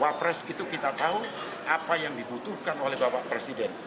wapres itu kita tahu apa yang dibutuhkan oleh bapak presiden